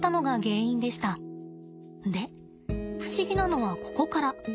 で不思議なのはここから。